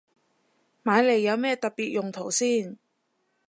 買嚟有咩特別用途先